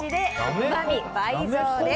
うまみ倍増です。